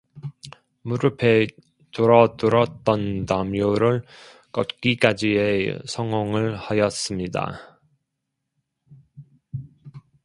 무릎에 들어들었던 담요를 걷기까지에 성공을 하였습니다.